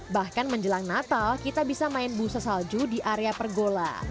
bahkan menjelang natal kita bisa main busa salju di area pergola